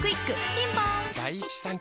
ピンポーン